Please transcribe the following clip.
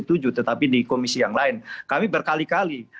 di komisi tujuh tetapi di komisi yang lain kami berkali kali